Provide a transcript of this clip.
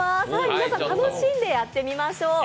皆さん、楽しんでやってみましょう